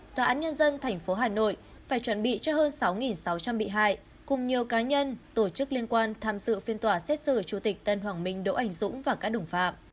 tòa án nhân dân tp hà nội phải chuẩn bị cho hơn sáu sáu trăm linh bị hại cùng nhiều cá nhân tổ chức liên quan tham dự phiên tòa xét xử chủ tịch tân hoàng minh đỗ anh dũng và các đồng phạm